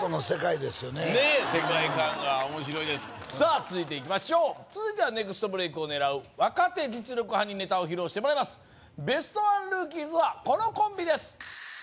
世界観が面白いですさあ続いていきましょう続いてはネクストブレイクを狙う若手実力派にネタを披露してもらいますベストワンルーキーズはこのコンビです